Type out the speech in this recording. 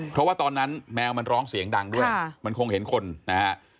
เพราะว่าตอนนั้นแมวมันร้องเสียงดังด้วยมันคงเห็นคนนะฮะ